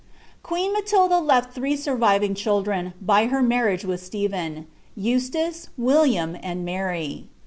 Queen Matilda left i)itee surviving cliildren, by hec marriage with Stephen : Eustace, Williani) and Mary.